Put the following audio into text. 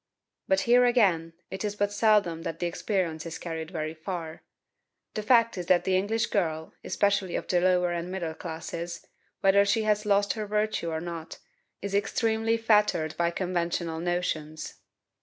But here, again, it is but seldom that the experience is carried very far. The fact is that the English girl, especially of the lower and middle classes, whether she has lost her virtue or not, is extremely fettered by conventional notions.